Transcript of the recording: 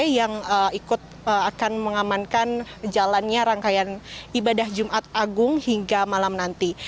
yang ikut akan mengamankan jalannya rangkaian ibadah jumat agung hingga malam nanti